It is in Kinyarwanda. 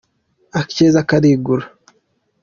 Akeza karigura.